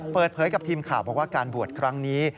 เปิดเผยกับทีมข่าวบอกว่าการบวชครั้งนี้